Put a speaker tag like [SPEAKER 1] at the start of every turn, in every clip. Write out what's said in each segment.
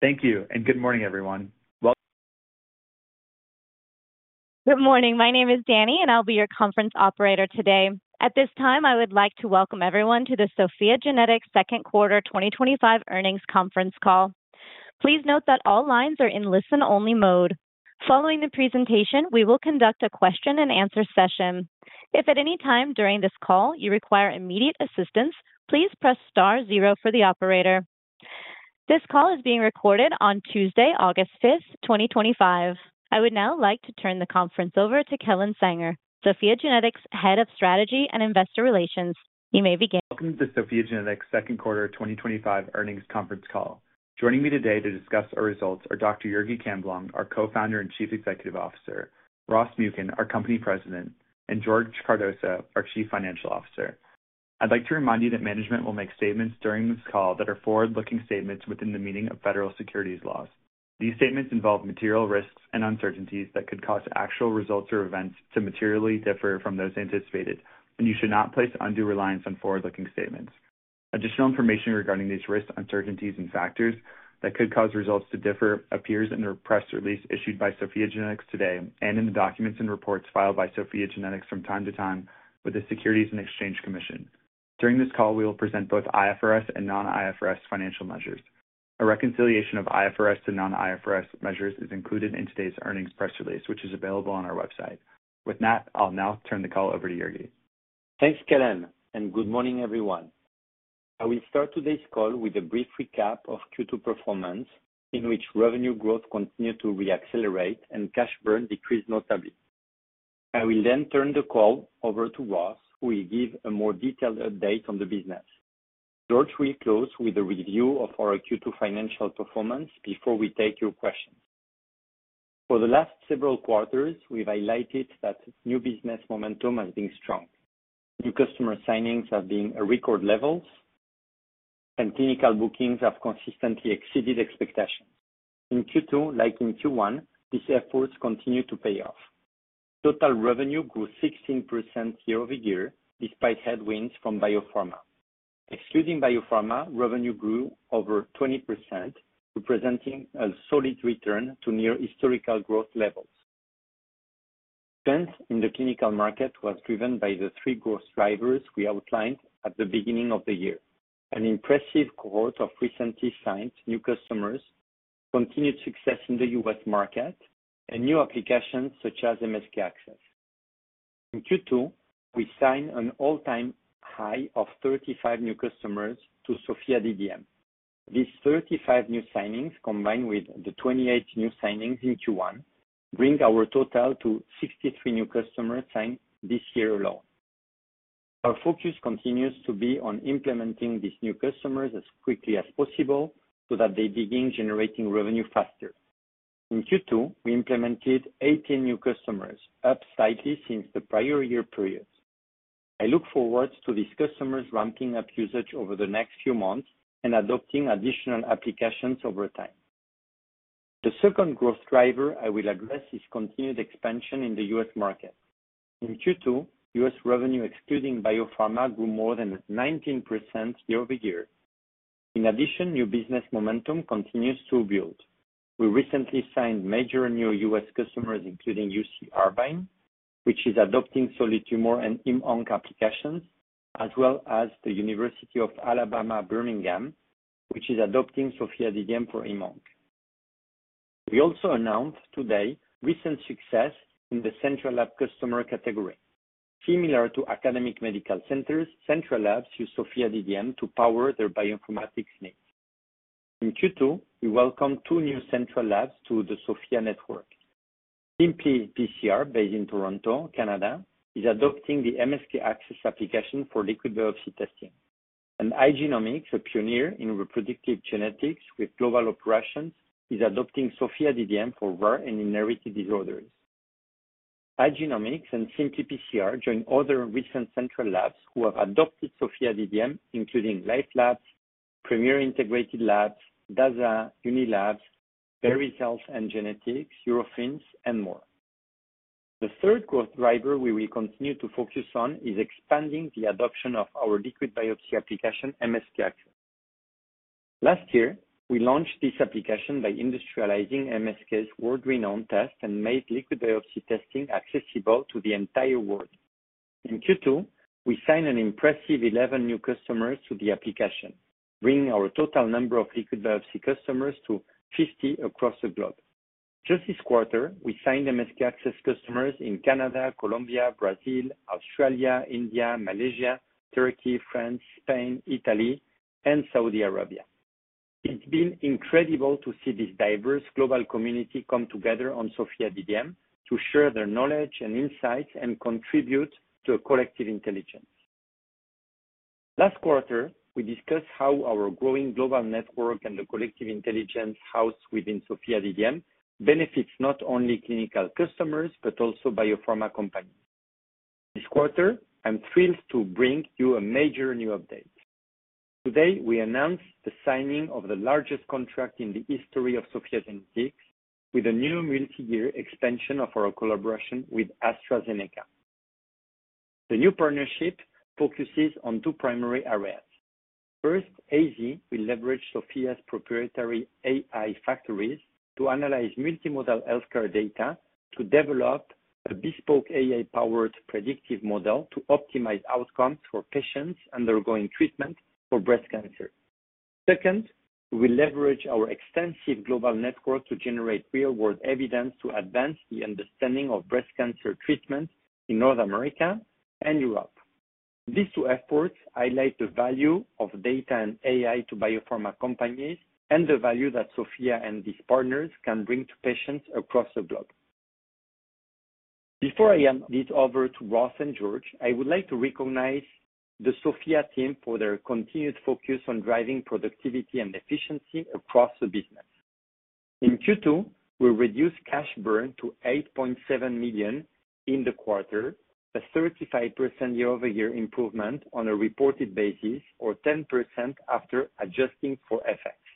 [SPEAKER 1] Thank you, and good morning, everyone.
[SPEAKER 2] Good morning. My name is Dani, and I'll be your conference operator today. At this time, I would like to welcome everyone to the SOPHiA GENETICS Second Quarter 2025 Earnings Conference Call. Please note that all lines are in listen-only mode. Following the presentation, we will conduct a question-and-answer session. If at any time during this call you require immediate assistance, please press star zero for the operator. This call is being recorded on Tuesday, August 5th, 2025. I would now like to turn the conference over to Kellen Sanger, SOPHiA GENETICS Head of Strategy and Investor Relations. You may begin.
[SPEAKER 3] Welcome to the SOPHiA GENETICS Second Quarter 2025 Earnings Conference Call. Joining me today to discuss our results are Dr. Jurgi Camblong, our Co-Founder and Chief Executive Officer, Ross Muken, our Company President, and George Cardoza, our Chief Financial Officer. I'd like to remind you that management will make statements during this call that are forward-looking statements within the meaning of Federal Securities Laws. These statements involve material risks and uncertainties that could cause actual results or events to materially differ from those anticipated, and you should not place undue reliance on forward-looking statements. Additional information regarding these risks, uncertainties, and factors that could cause results to differ appears in a press release issued by SOPHiA GENETICS today and in the documents and reports filed by SOPHiA GENETICS from time to time with the Securities and Exchange Commission. During this call, we will present both IFRS and non-IFRS financial measures. A reconciliation of IFRS to non-IFRS measures is included in today's earnings press release, which is available on our website. With that, I'll now turn the call over to Jurgi.
[SPEAKER 4] Thanks, Kellen, and good morning, everyone. I will start today's call with a brief recap of Q2 performance, in which revenue growth continued to re-accelerate and cash burn decreased notably. I will then turn the call over to Ross, who will give a more detailed update on the business. George will close with a review of our Q2 financial performance before we take your questions. For the last several quarters, we've highlighted that new business momentum has been strong. New customer signings have been at record levels, and clinical bookings have consistently exceeded expectations. In Q2, like in Q1, these efforts continue to pay off. Total revenue grew 16% year-over-year despite headwinds from biopharma. Excluding biopharma, revenue grew over 20%, presenting a solid return to near historical growth levels. Strength in the clinical market was driven by the three growth drivers we outlined at the beginning of the year: an impressive growth of recently signed new customers, continued success in the U.S. market, and new applications such as MSK-ACCESS. In Q2, we signed an all-time high of 35 new customers to SOPHiA DDM. These 35 new signings, combined with the 28 new signings in Q1, bring our total to 63 new customers signed this year alone. Our focus continues to be on implementing these new customers as quickly as possible so that they begin generating revenue faster. In Q2, we implemented 18 new customers, up slightly since the prior year period. I look forward to these customers ramping up usage over the next few months and adopting additional applications over time. The second growth driver I will address is continued expansion in the U.S. market. In Q2, U.S. revenue excluding biopharma grew more than 19% year-over-year. In addition, new business momentum continues to build. We recently signed major new U.S. customers, including UC Irvine, which is adopting solid tumor and IM-ONC applications, as well as the University of Alabama at Birmingham, which is adopting SOPHiA DDM for IM-ONC. We also announced today recent success in the Central Lab customer category. Similar to academic medical centers, Central Labs use SOPHiA DDM to power their bioinformatics needs. In Q2, we welcomed two new Central Labs to the SOPHiA network. Simply PCR, based in Toronto, Canada, is adopting the MSK-ACCESS application for liquid biopsy testing. Igenomix, a pioneer in reproductive genetics with global operations, is adopting SOPHiA DDM for rare and inherited disorders. Igenomix and Simply PCR join other recent central labs who have adopted SOPHiA DDM, including LifeLabs, Premier Integrated Labs, DASA, Unilabs, Berres Health & Genetics, Eurofins, and more. The third growth driver we will continue to focus on is expanding the adoption of our liquid biopsy application, MSK-ACCESS. Last year, we launched this application by industrializing MSK's world-renowned test and made liquid biopsy testing accessible to the entire world. In Q2, we signed an impressive 11 new customers to the application, bringing our total number of liquid biopsy customers to 50 across the globe. Just this quarter, we signed MSK-ACCESS customers in Canada, Colombia, Brazil, Australia, India, Malaysia, Turkey, France, Spain, Italy, and Saudi Arabia. It's been incredible to see this diverse global community come together on SOPHiA DDM to share their knowledge and insights and contribute to a collective intelligence. Last quarter, we discussed how our growing global network and the collective intelligence housed within SOPHiA DDM benefit not only clinical customers but also biopharma companies. This quarter, I'm thrilled to bring you a major new update. Today, we announced the signing of the largest contract in the history of SOPHiA GENETICS with a new multi-year expansion of our collaboration with AstraZeneca. The new partnership focuses on two primary areas. First, AZ will leverage SOPHiA's proprietary AI factories to analyze multimodal healthcare data to develop a bespoke AI-powered predictive model to optimize outcomes for patients undergoing treatment for breast cancer. Second, we will leverage our extensive global network to generate real-world evidence to advance the understanding of breast cancer treatment in North America and Europe. These two efforts highlight the value of data and AI to biopharma companies and the value that SOPHiA and these partners can bring to patients across the globe. Before I hand this over to Ross and George, I would like to recognize the SOPHiA team for their continued focus on driving productivity and efficiency across the business. In Q2, we reduced cash burn to $8.7 million in the quarter, a 35% year-over-year improvement on a reported basis or 10% after adjusting for effects.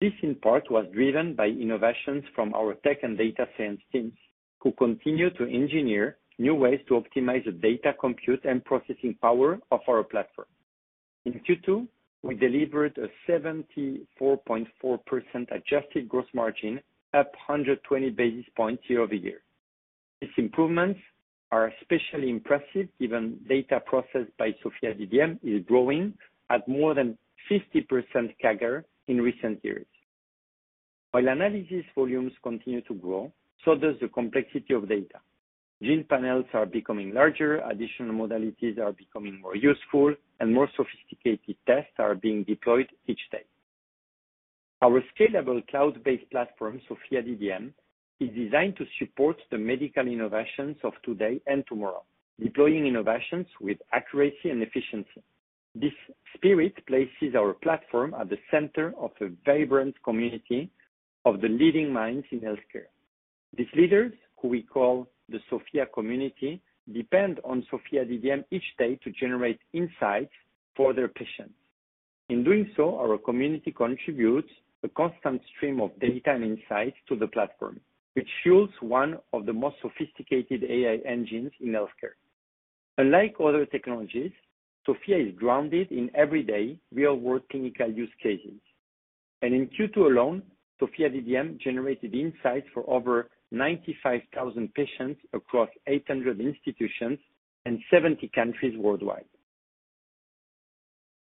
[SPEAKER 4] This, in part, was driven by innovations from our tech and data science teams, who continue to engineer new ways to optimize the data compute and processing power of our platform. In Q2, we delivered a 74.4% adjusted gross margin, up 120 basis points year-over-year. These improvements are especially impressive given data processed by SOPHiA DDM is growing at more than 50% CAGR in recent years. While analysis volumes continue to grow, so does the complexity of data. Gene panels are becoming larger, additional modalities are becoming more useful, and more sophisticated tests are being deployed each day. Our scalable cloud-based platform, SOPHiA DDM, is designed to support the medical innovations of today and tomorrow, deploying innovations with accuracy and efficiency. This spirit places our platform at the center of a vibrant community of the leading minds in healthcare. These leaders, who we call the SOPHiA community, depend on SOPHiA DDM each day to generate insights for their patients. In doing so, our community contributes a constant stream of data and insights to the platform, which fuels one of the most sophisticated AI engines in healthcare. Unlike other technologies, SOPHiA is grounded in everyday real-world clinical use cases. In Q2 alone, SOPHiA DDM generated insights for over 95,000 patients across 800 institutions and 70 countries worldwide.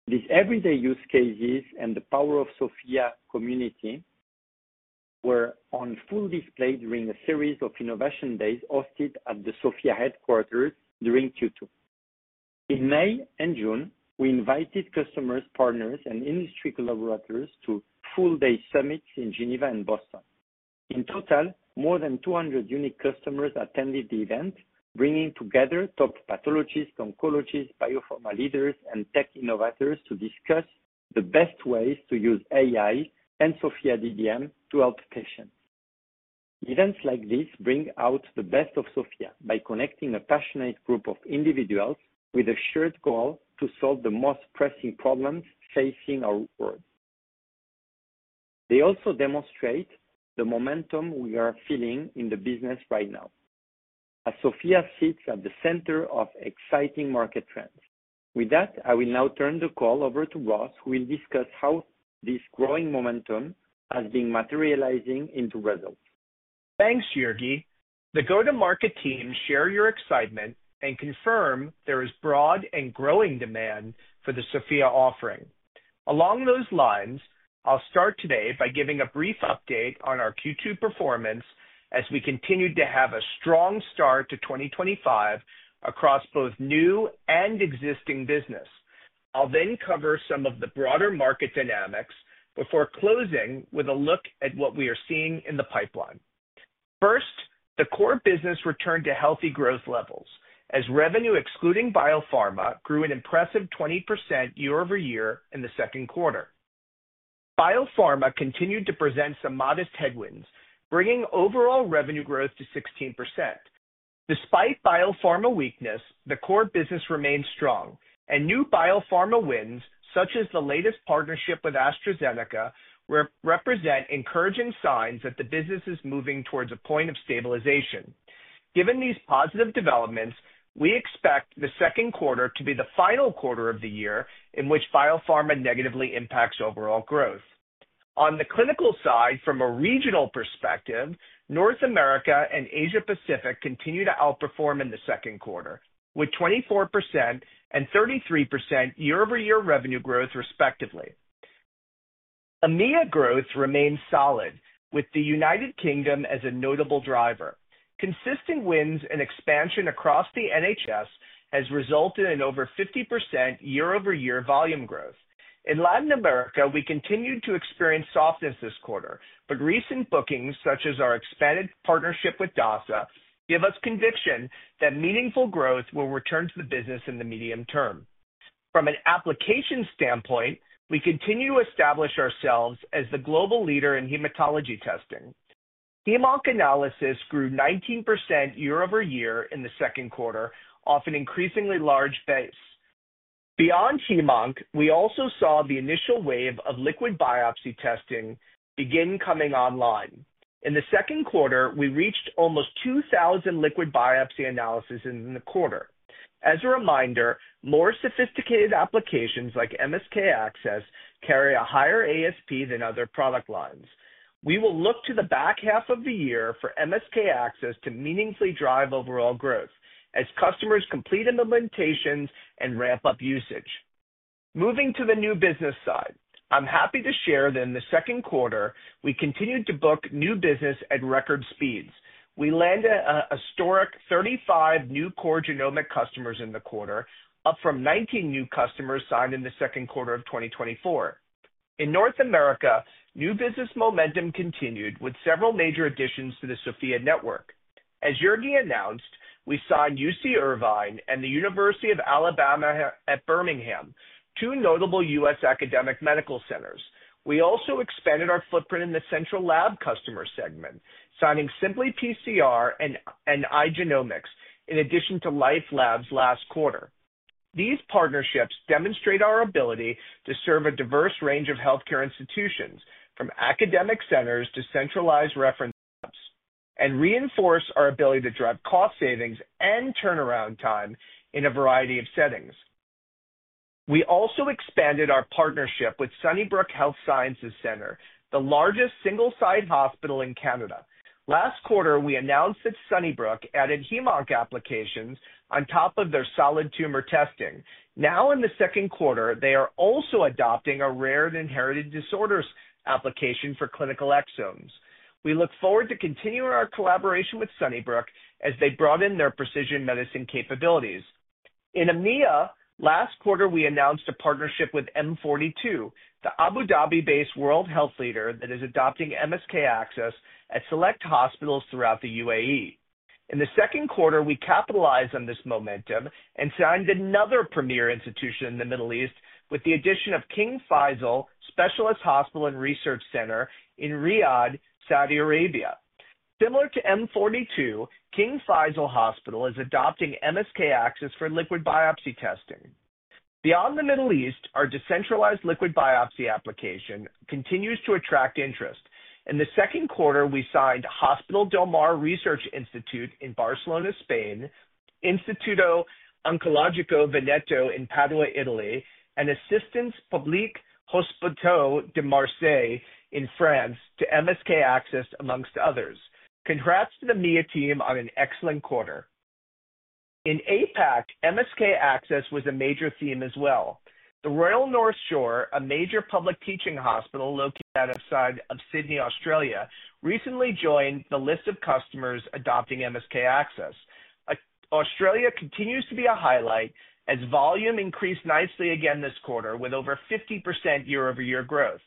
[SPEAKER 4] These everyday use cases and the power of the SOPHiA community were on full display during a series of innovation days hosted at the SOPHiA headquarters during Q2. In May and June, we invited customers, partners, and industry collaborators to full-day summits in Geneva and Boston. In total, more than 200 unique customers attended the event, bringing together top pathologists, oncologists, biopharma leaders, and tech innovators to discuss the best ways to use AI and SOPHiA DDM to help patients. Events like these bring out the best of SOPHiA by connecting a passionate group of individuals with a shared goal to solve the most pressing problems facing our world. They also demonstrate the momentum we are feeling in the business right now, as SOPHiA sits at the center of exciting market trends. With that, I will now turn the call over to Ross, who will discuss how this growing momentum has been materializing into results.
[SPEAKER 5] Thanks, Jurgi. The go-to-market teams share your excitement and confirm there is broad and growing demand for the SOPHiA offering. Along those lines, I'll start today by giving a brief update on our Q2 performance as we continue to have a strong start to 2025 across both new and existing business. I'll then cover some of the broader market dynamics before closing with a look at what we are seeing in the pipeline. First, the core business returned to healthy growth levels as revenue excluding biopharma grew an impressive 20% year-over-year in the second quarter. Biopharma continued to present some modest headwinds, bringing overall revenue growth to 16%. Despite biopharma weakness, the core business remains strong, and new biopharma wins, such as the latest partnership with AstraZeneca, represent encouraging signs that the business is moving towards a point of stabilization. Given these positive developments, we expect the second quarter to be the final quarter of the year in which biopharma negatively impacts overall growth. On the clinical side, from a regional perspective, North America and Asia-Pacific continue to outperform in the second quarter, with 24% and 33% year-over-year revenue growth respectively. EMEA growth remains solid, with the United Kingdom as a notable driver. Consistent wins and expansion across the NHS has resulted in over 50% year-over-year volume growth. In Latin America, we continued to experience softness this quarter, but recent bookings, such as our expanded partnership with DASA, give us conviction that meaningful growth will return to the business in the medium term. From an application standpoint, we continue to establish ourselves as the global leader in hematology testing. IM-ONC analysis grew 19% year-over-year in the second quarter, off an increasingly large base. Beyond IM-ONC, we also saw the initial wave of liquid biopsy testing begin coming online. In the second quarter, we reached almost 2,000 liquid biopsy analyses in the quarter. As a reminder, more sophisticated applications like MSK-ACCESS carry a higher ASP than other product lines. We will look to the back half of the year for MSK-ACCESS to meaningfully drive overall growth as customers complete implementations and ramp up usage. Moving to the new business side, I'm happy to share that in the second quarter, we continued to book new business at record speeds. We landed a historic 35 new core genomic customers in the quarter, up from 19 new customers signed in the second quarter of 2024. In North America, new business momentum continued with several major additions to the SOPHiA network. As Jurgi announced, we signed UC Irvine and the University of Alabama at Birmingham, two notable U.S. academic medical centers. We also expanded our footprint in the Central Lab customer segment, signing Simply PCR and Igenomix in addition to Life Labs last quarter. These partnerships demonstrate our ability to serve a diverse range of healthcare institutions, from academic centers to centralized reference centers, and reinforce our ability to drive cost savings and turnaround time in a variety of settings. We also expanded our partnership with Sunnybrook Health Sciences Centre, the largest single-site hospital in Canada. Last quarter, we announced that Sunnybrook added IM-ONC applications on top of their solid tumor testing. Now, in the second quarter, they are also adopting a rare and inherited disorders application for clinical exomes. We look forward to continuing our collaboration with Sunnybrook as they broaden their precision medicine capabilities. In EMEA, last quarter, we announced a partnership with M42, the Abu Dhabi-based world health leader that is adopting MSK-ACCESS at select hospitals throughout the UAE. In the second quarter, we capitalized on this momentum and signed another premier institution in the Middle East with the addition of King Faisal Specialist Hospital & Research Center in Riyadh, Saudi Arabia. Similar to M42, King Faisal Hospital is adopting MSK-ACCESS for liquid biopsy testing. Beyond the Middle East, our decentralized liquid biopsy application continues to attract interest. In the second quarter, we signed Hospital del Mar Research Institute in Barcelona, Spain, Instituto Oncologico Veneto in Padova, Italy, and Assistance Publique - Hôpitaux de Marseille in France to MSK-ACCESS, amongst others. Congrats to the EMEA team on an excellent quarter. In APAC, MSK-ACCESS was a major theme as well. The Royal North Shore, a major public teaching hospital located outside of Sydney, Australia, recently joined the list of customers adopting MSK-ACCESS. Australia continues to be a highlight as volume increased nicely again this quarter, with over 50% year-over-year growth.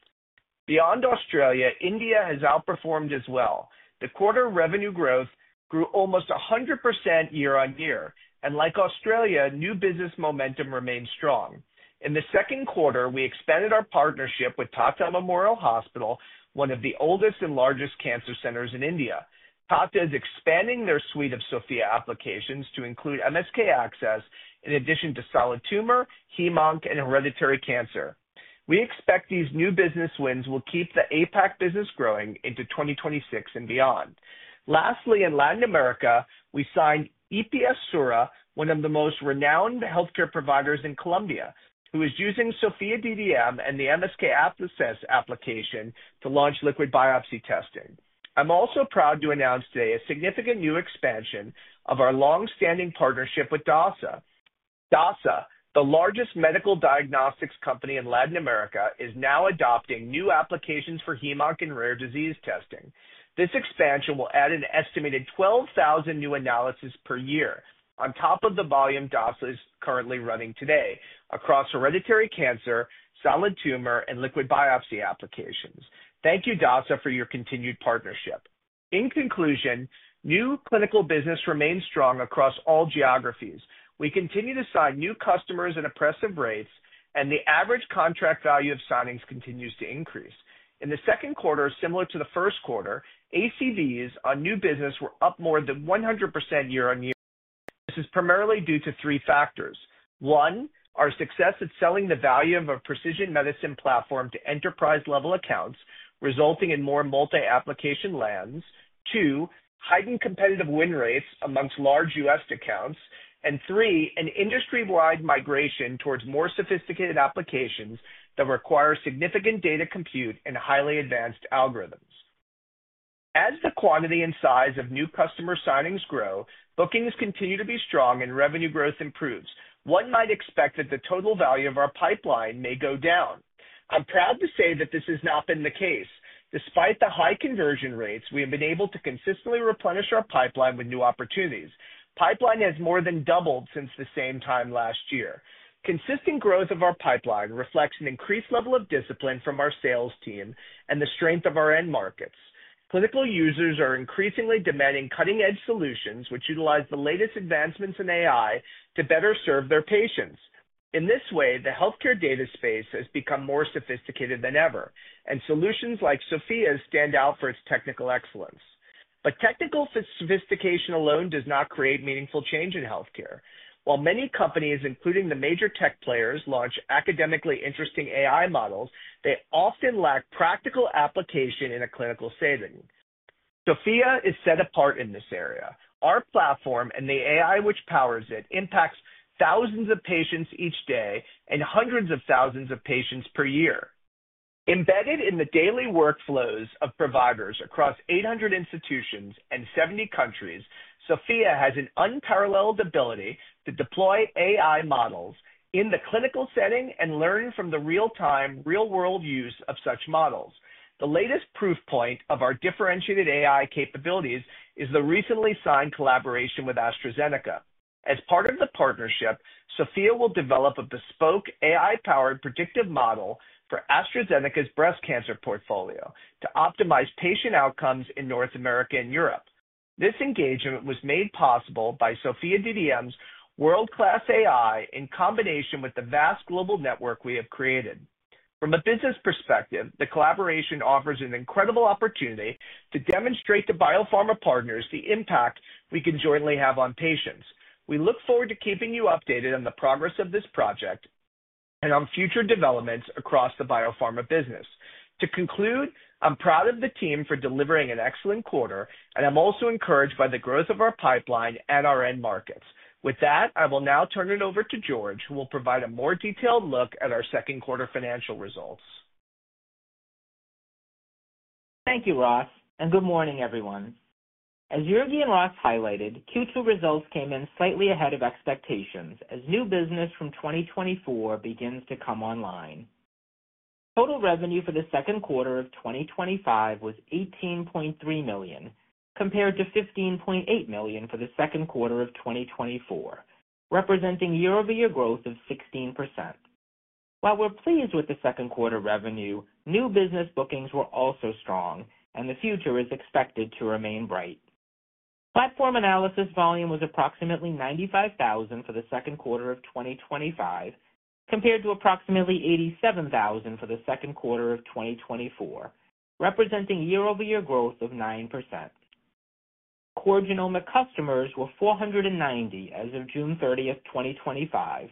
[SPEAKER 5] Beyond Australia, India has outperformed as well. The quarter revenue growth grew almost 100% year -on-year, and like Australia, new business momentum remains strong. In the second quarter, we expanded our partnership with Tata Memorial Hospital, one of the oldest and largest cancer centers in India. Tata is expanding their suite of SOPHiA applications to include MSK-ACCESS in addition to solid tumor, IM-ONC, and hereditary cancer. We expect these new business wins will keep the APAC business growing into 2026 and beyond. Lastly, in Latin America, we signed EPS SURA, one of the most renowned healthcare providers in Colombia, who is using SOPHiA DDM and the MSK-ACCESS application to launch liquid biopsy testing. I'm also proud to announce today a significant new expansion of our longstanding partnership with DASA. DASA, the largest medical diagnostics company in Latin America, is now adopting new applications for IM-ONC and rare disease testing. This expansion will add an estimated 12,000 new analyses per year, on top of the volume DASA is currently running today across hereditary cancer, solid tumor, and liquid biopsy applications. Thank you, DASA, for your continued partnership. In conclusion, new clinical business remains strong across all geographies. We continue to sign new customers at impressive rates, and the average contract value of signings continues to increase. In the second quarter, similar to the first quarter, ACVs on new business were up more than 100% year-on-year. This is primarily due to three factors. One, our success at selling the value of a precision medicine platform to enterprise-level accounts, resulting in more multi-application lands. Two, heightened competitive win rates amongst large U.S. accounts. Three, an industry-wide migration towards more sophisticated applications that require significant data compute and highly advanced algorithms. As the quantity and size of new customer signings grow, bookings continue to be strong, and revenue growth improves. One might expect that the total value of our pipeline may go down. I'm proud to say that this has not been the case. Despite the high conversion rates, we have been able to consistently replenish our pipeline with new opportunities. Pipeline has more than doubled since the same time last year. Consistent growth of our pipeline reflects an increased level of discipline from our sales team and the strength of our end markets. Clinical users are increasingly demanding cutting-edge solutions, which utilize the latest advancements in AI to better serve their patients. In this way, the healthcare data space has become more sophisticated than ever, and solutions like SOPHiA stand out for its technical excellence. Technical sophistication alone does not create meaningful change in healthcare. While many companies, including the major tech players, launch academically interesting AI models, they often lack practical application in a clinical setting. SOPHiA is set apart in this area. Our platform and the AI which powers it impact thousands of patients each day and hundreds of thousands of patients per year. Embedded in the daily workflows of providers across 800 institutions and 70 countries, SOPHiA has an unparalleled ability to deploy AI models in the clinical setting and learn from the real-time, real-world use of such models. The latest proof point of our differentiated AI capabilities is the recently signed collaboration with AstraZeneca. As part of the partnership, SOPHiA will develop a bespoke AI-powered predictive model for AstraZeneca's breast cancer portfolio to optimize patient outcomes in North America and Europe. This engagement was made possible by SOPHiA DDM's world-class AI in combination with the vast global network we have created. From a business perspective, the collaboration offers an incredible opportunity to demonstrate to biopharma partners the impact we can jointly have on patients. We look forward to keeping you updated on the progress of this project and on future developments across the biopharma business. To conclude, I'm proud of the team for delivering an excellent quarter, and I'm also encouraged by the growth of our pipeline and our end markets. With that, I will now turn it over to George, who will provide a more detailed look at our second quarter financial results.
[SPEAKER 6] Thank you, Ross, and good morning, everyone. As Jurgi and Ross highlighted, Q2 results came in slightly ahead of expectations as new business from 2024 begins to come online. Total revenue for the second quarter of 2025 was $18.3 million, compared to $15.8 million for the second quarter of 2024, representing year-over-year growth of 16%. While we're pleased with the second quarter revenue, new business bookings were also strong, and the future is expected to remain bright. Platform analysis volume was approximately 95,000 for the second quarter of 2025, compared to approximately 87,000 for the second quarter of 2024, representing year-over-year growth of 9%. Core genomic customers were 490 as of June 30th, 2025,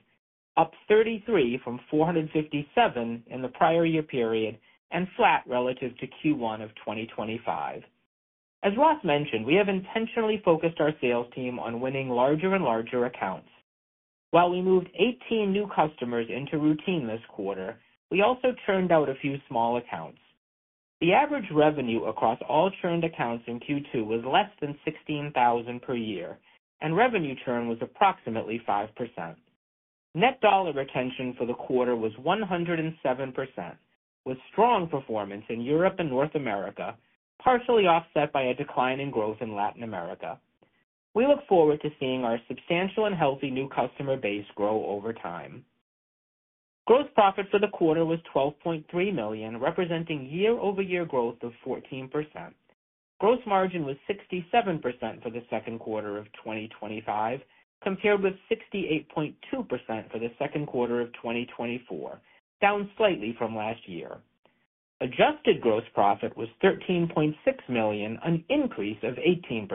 [SPEAKER 6] up 33 from 457 in the prior year period and flat relative to Q1 of 2025. As Ross mentioned, we have intentionally focused our sales team on winning larger and larger accounts. While we moved 18 new customers into routine this quarter, we also churned out a few small accounts. The average revenue across all churned accounts in Q2 was less than $16,000 per year, and revenue churn was approximately 5%. Net dollar retention for the quarter was 107%, with strong performance in Europe and North America, partially offset by a decline in growth in Latin America. We look forward to seeing our substantial and healthy new customer base grow over time. Gross profit for the quarter was $12.3 million, representing year-over-year growth of 14%. Gross margin was 67% for the second quarter of 2025, compared with 68.2% for the second quarter of 2024, down slightly from last year. Adjusted gross profit was $13.6 million, an increase of 18%.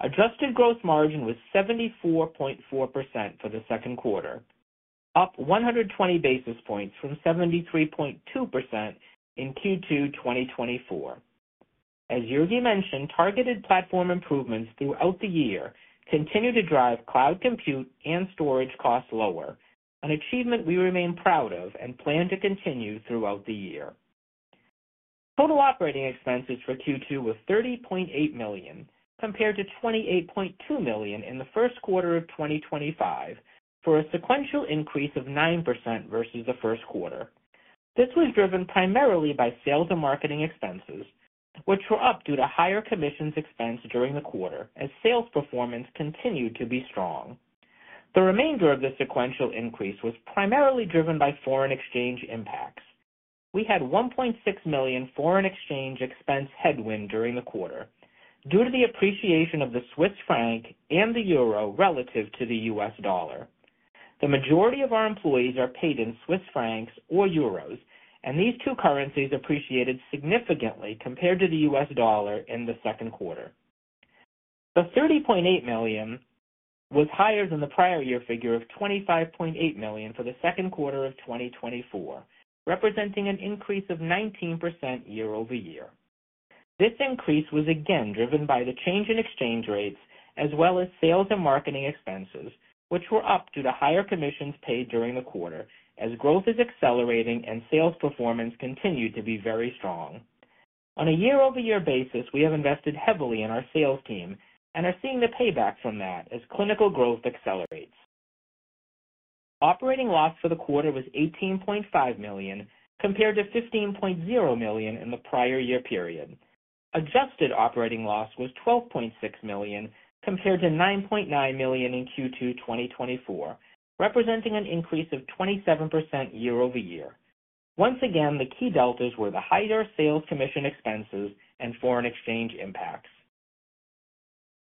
[SPEAKER 6] Adjusted gross margin was 74.4% for the second quarter, up 120 basis points from 73.2% in Q2 2024. As Jurgi mentioned, targeted platform improvements throughout the year continue to drive cloud compute and storage costs lower, an achievement we remain proud of and plan to continue throughout the year. Total operating expenses for Q2 were $30.8 million, compared to $28.2 million in the first quarter of 2025, for a sequential increase of 9% versus the first quarter. This was driven primarily by sales and marketing expenses, which were up due to higher commissions expensed during the quarter as sales performance continued to be strong. The remainder of the sequential increase was primarily driven by foreign exchange impacts. We had a $1.6 million foreign exchange expense headwind during the quarter due to the appreciation of the Swiss franc and the euro relative to the U.S. dollar. The majority of our employees are paid in Swiss francs or euros, and these two currencies appreciated significantly compared to the U.S. dollar in the second quarter. The $30.8 million was higher than the prior year figure of $25.8 million for the second quarter of 2024, representing an increase of 19% year-over-year. This increase was again driven by the change in exchange rates, as well as sales and marketing expenses, which were up due to higher commissions paid during the quarter as growth is accelerating and sales performance continued to be very strong. On a year-over-year basis, we have invested heavily in our sales team and are seeing the payback from that as clinical growth accelerates. Operating loss for the quarter was $18.5 million, compared to $15.0 million in the prior year period. Adjusted operating loss was $12.6 million, compared to $9.9 million in Q2 2024, representing an increase of 27% year-over-year. Once again, the key deltas were the higher sales commission expenses and foreign exchange impacts.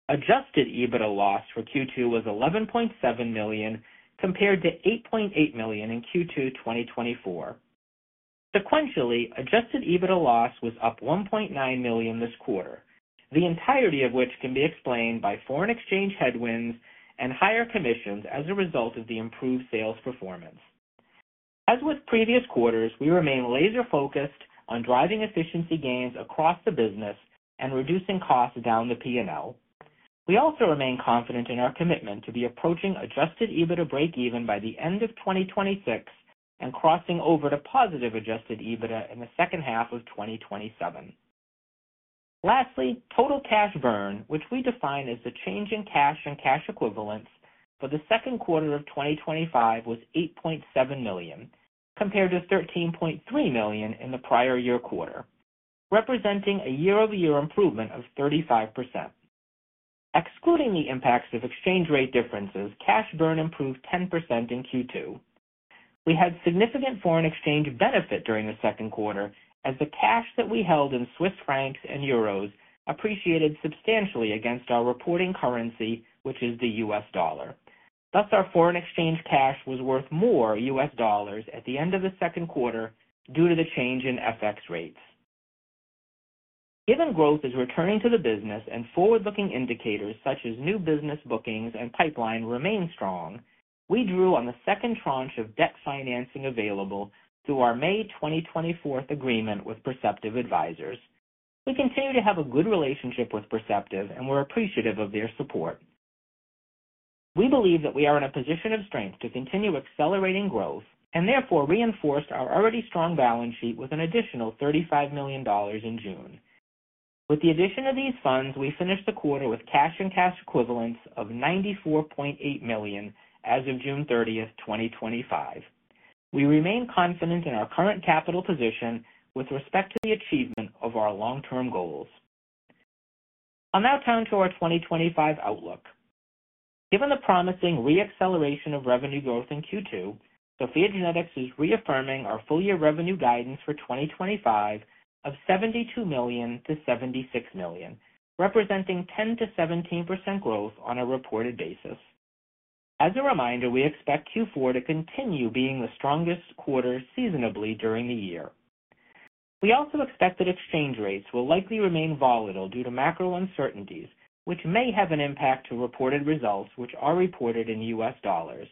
[SPEAKER 6] Adjusted EBITDA loss for Q2 was $11.7 million, compared to $8.8 million in Q2 2024. Sequentially, adjusted EBITDA loss was up $1.9 million this quarter, the entirety of which can be explained by foreign exchange headwinds and higher commissions as a result of the improved sales performance. As with previous quarters, we remain laser-focused on driving efficiency gains across the business and reducing costs down the P&L. We also remain confident in our commitment to be approaching adjusted EBITDA break-even by the end of 2026 and crossing over to positive adjusted EBITDA in the second half of 2027. Lastly, total cash burn, which we define as the change in cash and cash equivalents for the second quarter of 2025, was $8.7 million, compared to $13.3 million in the prior year quarter, representing a year-over-year improvement of 35%. Excluding the impacts of exchange rate differences, cash burn improved 10% in Q2. We had significant foreign exchange benefit during the second quarter as the cash that we held in Swiss francs and euros appreciated substantially against our reporting currency, which is the U.S. dollar. Thus, our foreign exchange cash was worth more U.S. dollars at the end of the second quarter due to the change in FX rates. Given growth is returning to the business and forward-looking indicators such as new business bookings and pipeline remain strong, we drew on the second tranche of debt financing available through our May 2024 agreement with Perceptive Advisors. We continue to have a good relationship with Perceptive, and we're appreciative of their support. We believe that we are in a position of strength to continue accelerating growth and therefore reinforced our already strong balance sheet with an additional $35 million in June. With the addition of these funds, we finished the quarter with cash and cash equivalents of $94.8 million as of June 30, 2025. We remain confident in our current capital position with respect to the achievement of our long-term goals. I'll now turn to our 2025 outlook. Given the promising re-acceleration of revenue growth in Q2, SOPHiA GENETICS is reaffirming our full-year revenue guidance for 2025 of $72 million-$76 million, representing 10%-17% growth on a reported basis. As a reminder, we expect Q4 to continue being the strongest quarter seasonably during the year. We also expect that exchange rates will likely remain volatile due to macro uncertainties, which may have an impact to reported results, which are reported in U.S. dollars.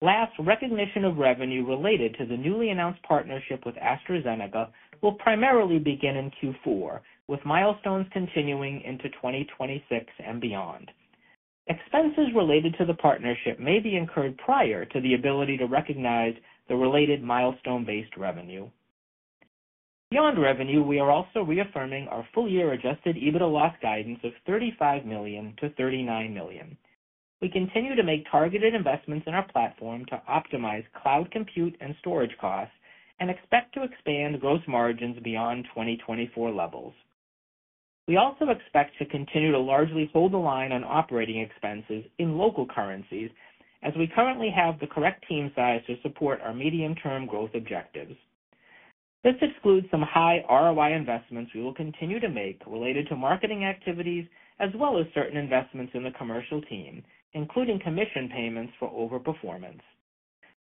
[SPEAKER 6] Last, recognition of revenue related to the newly announced partnership with AstraZeneca will primarily begin in Q4, with milestones continuing into 2026 and beyond. Expenses related to the partnership may be incurred prior to the ability to recognize the related milestone-based revenue. Beyond revenue, we are also reaffirming our full-year adjusted EBITDA loss guidance of $35 million to $39 million. We continue to make targeted investments in our platform to optimize cloud compute and storage costs and expect to expand gross margins beyond 2024 levels. We also expect to continue to largely hold the line on operating expenses in local currencies as we currently have the correct team size to support our medium-term growth objectives. This excludes some high ROI investments we will continue to make related to marketing activities, as well as certain investments in the commercial team, including commission payments for overperformance.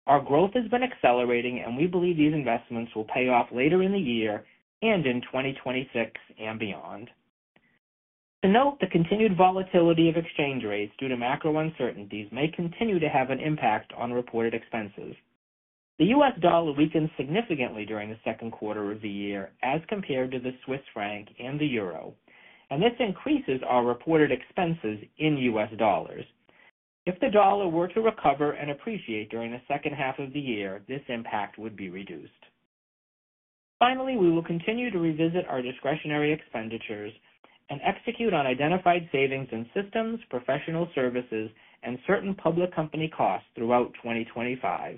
[SPEAKER 6] Our growth has been accelerating, and we believe these investments will pay off later in the year and in 2026 and beyond. To note, the continued volatility of exchange rates due to macro uncertainties may continue to have an impact on reported expenses. The U.S. dollar weakens significantly during the second quarter of the year as compared to the Swiss franc and the euro, and this increases our reported expenses in U.S. dollars. If the dollar were to recover and appreciate during the second half of the year, this impact would be reduced. Finally, we will continue to revisit our discretionary expenditures and execute on identified savings in systems, professional services, and certain public company costs throughout 2025.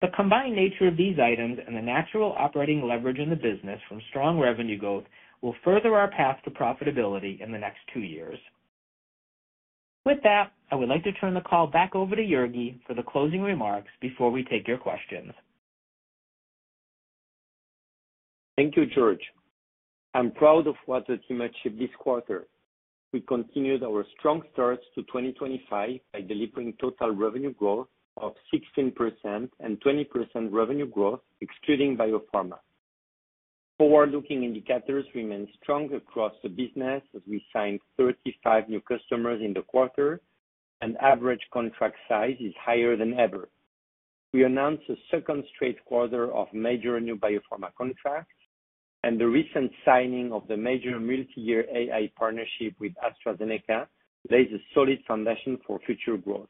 [SPEAKER 6] The combined nature of these items and the natural operating leverage in the business from strong revenue growth will further our path to profitability in the next two years. With that, I would like to turn the call back over to Jurgi for the closing remarks before we take your questions.
[SPEAKER 4] Thank you, George. I'm proud of what the team achieved this quarter. We continued our strong start to 2025 by delivering total revenue growth of 16% and 20% revenue growth excluding biopharma. Forward-looking indicators remain strong across the business as we signed 35 new customers in the quarter, and the average contract size is higher than ever. We announced the second straight quarter of major new biopharma contracts, and the recent signing of the major multi-year AI partnership with AstraZeneca lays a solid foundation for future growth.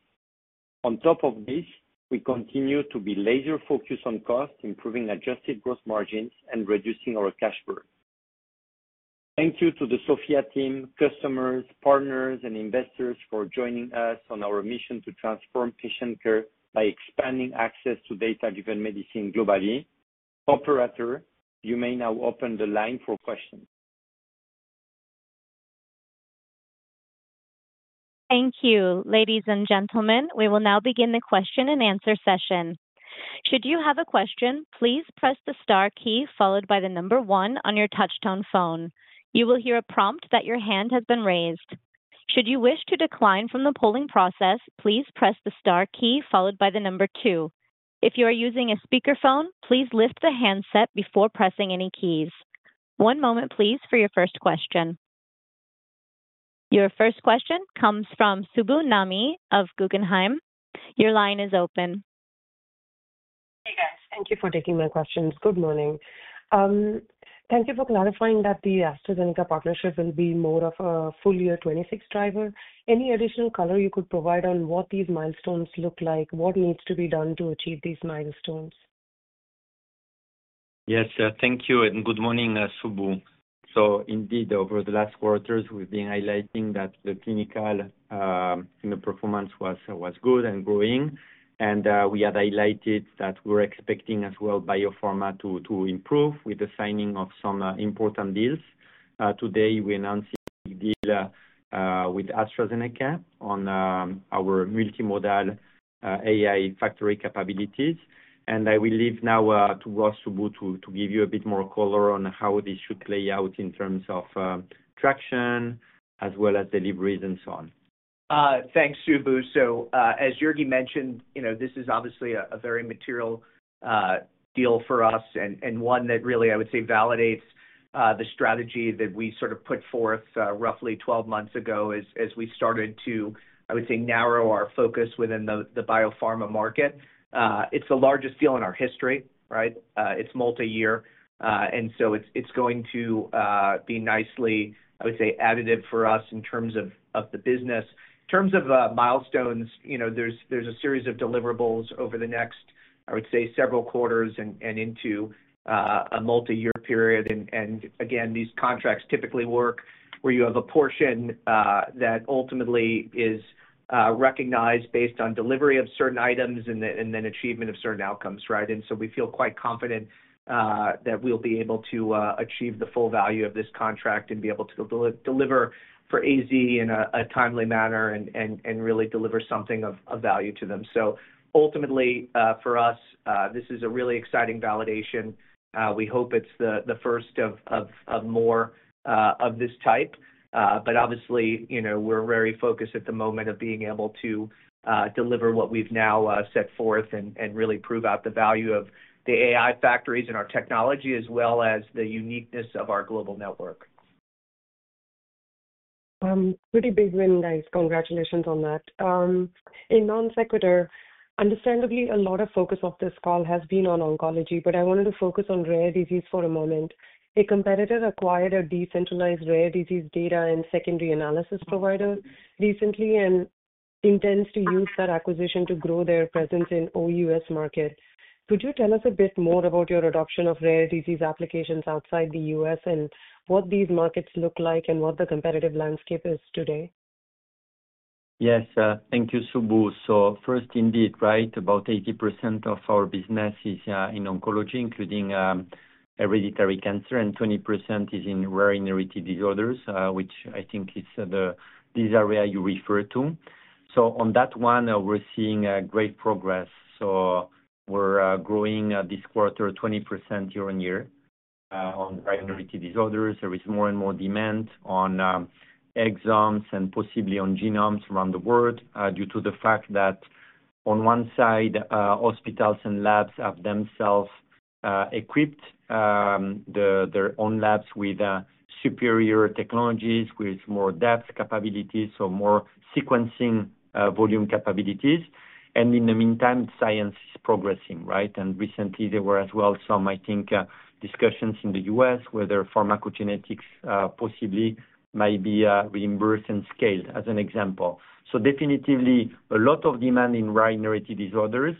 [SPEAKER 4] On top of this, we continue to be laser-focused on cost, improving adjusted gross margins, and reducing our cash burn. Thank you to the SOPHiA team, customers, partners, and investors for joining us on our mission to transform patient care by expanding access to data-driven medicine globally. Operator, you may now open the line for questions.
[SPEAKER 2] Thank you, ladies and gentlemen. We will now begin the question and answer session. Should you have a question, please press the star key followed by the number one on your touch-tone phone. You will hear a prompt that your hand has been raised. Should you wish to decline from the polling process, please press the star key followed by the number two. If you are using a speaker phone, please lift the handset before pressing any keys. One moment, please, for your first question. Your first question comes from Subbu Nambi of Guggenheim. Your line is open.
[SPEAKER 7] Hey, guys. Thank you for taking my questions. Good morning. Thank you for clarifying that the AstraZeneca partnership will be more of a full-year 2026 driver. Any additional color you could provide on what these milestones look like, what needs to be done to achieve these milestones?
[SPEAKER 4] Yes, thank you. Good morning, Subbu. Indeed, over the last quarters, we've been highlighting that the clinical performance was good and growing. We had highlighted that we're expecting as well biopharma to improve with the signing of some important deals. Today, we announced a deal with AstraZeneca on our multimodal AI factory capabilities. I will leave now to Ross, Subbu, to give you a bit more color on how this should play out in terms of traction, as well as deliveries, and so on.
[SPEAKER 5] Thanks, Subbu. As Jurgi mentioned, this is obviously a very material deal for us and one that really, I would say, validates the strategy that we sort of put forth roughly 12 months ago as we started to, I would say, narrow our focus within the biopharma market. It's the largest deal in our history, right? It's multi-year, and it's going to be nicely, I would say, additive for us in terms of the business. In terms of milestones, there's a series of deliverables over the next, I would say, several quarters and into a multi-year period. These contracts typically work where you have a portion that ultimately is recognized based on delivery of certain items and then achievement of certain outcomes, right? We feel quite confident that we'll be able to achieve the full value of this contract and be able to deliver for AZ in a timely manner and really deliver something of value to them. Ultimately, for us, this is a really exciting validation. We hope it's the first of more of this type. Obviously, we're very focused at the moment on being able to deliver what we've now set forth and really prove out the value of the AI factories and our technology, as well as the uniqueness of our global network.
[SPEAKER 7] Pretty big win, guys. Congratulations on that. In non-sequitur, understandably, a lot of focus of this call has been on oncology, but I wanted to focus on rare disease for a moment. A competitor acquired a decentralized rare disease data and secondary analysis provider recently and intends to use that acquisition to grow their presence in all U.S. markets. Could you tell us a bit more about your adoption of rare disease applications outside the U.S. and what these markets look like and what the competitive landscape is today?
[SPEAKER 4] Yes, thank you, Subbu. First, indeed, about 80% of our business is in oncology, including hereditary cancer, and 20% is in rare and hereditary disorders, which I think is the area you refer to. On that one, we're seeing great progress. We're growing this quarter 20% year-over-year on rare and hereditary disorders. There is more and more demand on exomes and possibly on genomes around the world due to the fact that on one side, hospitals and labs have themselves equipped their own labs with superior technologies with more depth capabilities, so more sequencing volume capabilities. In the meantime, science is progressing, right? Recently, there were as well some, I think, discussions in the United States whether pharmacogenetics possibly might be reimbursed and scaled as an example. Definitely, a lot of demand in rare and hereditary disorders.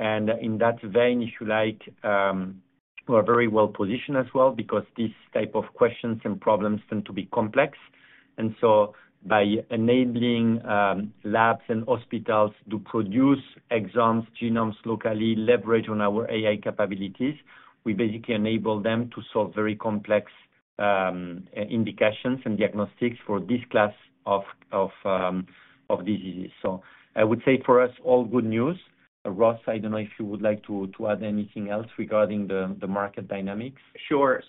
[SPEAKER 4] In that vein, if you like, we're very well positioned as well because these types of questions and problems tend to be complex. By enabling labs and hospitals to produce exomes, genomes locally, leverage on our AI capabilities, we basically enable them to solve very complex indications and diagnostics for this class of diseases. I would say for us, all good news. Ross, I don't know if you would like to add anything else regarding the market dynamics.
[SPEAKER 5] Sure.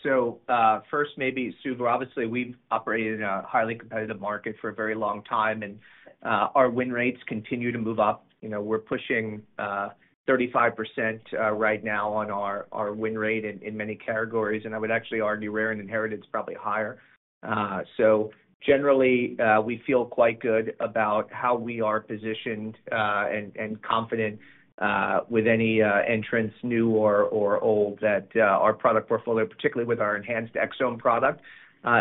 [SPEAKER 5] First, maybe Subbu. Obviously, we've operated in a highly competitive market for a very long time, and our win rates continue to move up. You know we're pushing 35% right now on our win rate in many categories, and I would actually argue rare and inherited is probably higher. Generally, we feel quite good about how we are positioned and confident with any entrance, new or old, that our product portfolio, particularly with our enhanced exome product,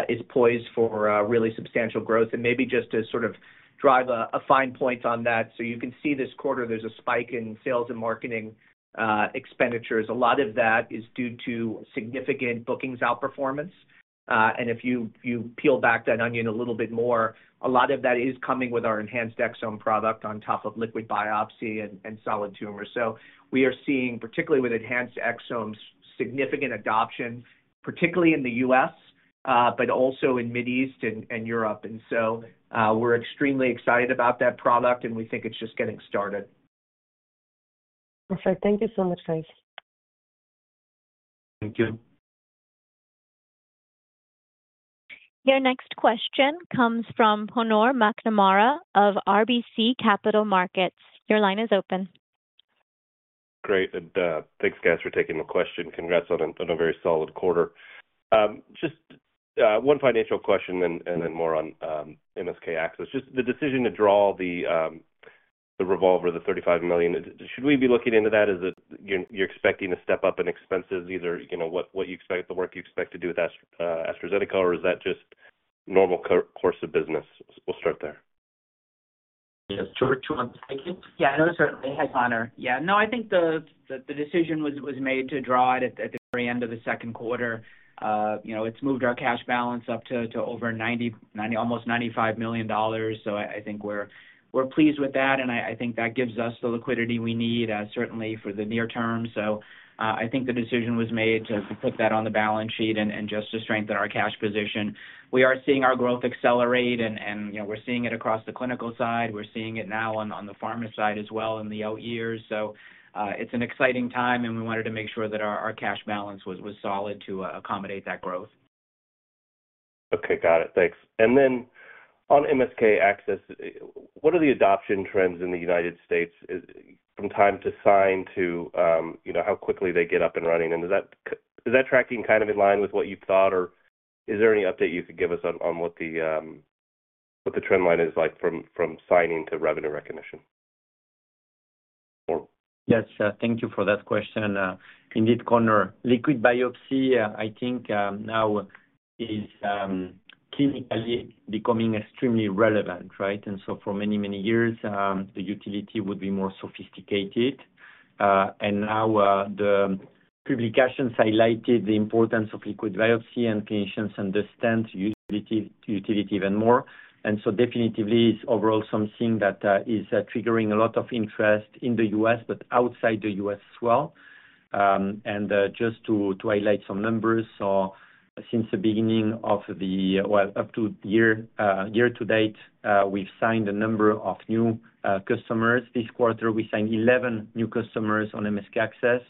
[SPEAKER 5] is poised for really substantial growth. Maybe just to sort of drive a fine point on that, you can see this quarter there's a spike in sales and marketing expenditures. A lot of that is due to significant bookings outperformance. If you peel back that onion a little bit more, a lot of that is coming with our enhanced exome product on top of liquid biopsy and solid tumor. We are seeing, particularly with enhanced exomes, significant adoption, particularly in the U.S., but also in the Mideast and Europe. We're extremely excited about that product, and we think it's just getting started.
[SPEAKER 7] Perfect. Thank you so much, guys.
[SPEAKER 5] Thank you.
[SPEAKER 2] Your next question comes from Conor McNamara of RBC Capital Markets. Your line is open.
[SPEAKER 8] Great. Thanks, guys, for taking the question. Congrats on a very solid quarter. Just one financial question and then more on MSK-ACCESS. The decision to draw the revolver, the $35 million, should we be looking into that? Is it you're expecting a step up in expenses, either what you expect, the work you expect to do with AstraZeneca, or is that just a normal course of business? We'll start there.
[SPEAKER 4] Yes, George, you want to take it?
[SPEAKER 6] Yeah, no, certainly. Hi, Conor. Yeah, no, I think the decision was made to draw it at the very end of the second quarter. It's moved our cash balance up to over $90 million, almost $95 million. I think we're pleased with that, and I think that gives us the liquidity we need, certainly for the near term. I think the decision was made to put that on the balance sheet and just to strengthen our cash position. We are seeing our growth accelerate, and we're seeing it across the clinical side. We're seeing it now on the pharma side as well in the out years. It's an exciting time, and we wanted to make sure that our cash balance was solid to accommodate that growth.
[SPEAKER 8] Okay, got it. Thanks. On MSK-ACCESS, what are the adoption trends in the United States from time to sign to how quickly they get up and running? Is that tracking kind of in line with what you thought, or is there any update you could give us on what the trend line is like from signing to revenue recognition?
[SPEAKER 4] Yes, thank you for that question. Indeed, Conor, liquid biopsy, I think, now is clinically becoming extremely relevant, right? For many, many years, the utility would be more sophisticated. Now the publications highlighted the importance of liquid biopsy, and clinicians understand the utility even more. It is overall something that is triggering a lot of interest in the U.S., but outside the U.S. as well. Just to highlight some numbers, since the beginning of the, up to the year to date, we've signed a number of new customers. This quarter, we signed 11 new customers on MSK-ACCESS.